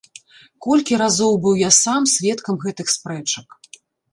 Колькі разоў быў я сам сведкам гэтых спрэчак.